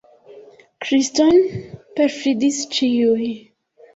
Kriston perfidis ĉiuj.